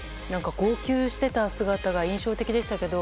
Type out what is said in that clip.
号泣していた姿が印象的でしたけども。